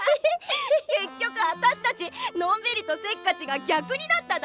結局私たちのんびりとせっかちが逆になっただけじゃん。